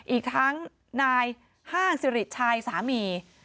อีกทั้งนายห้างสิริชัยสามี